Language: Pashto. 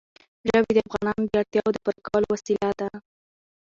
ژبې د افغانانو د اړتیاوو د پوره کولو وسیله ده.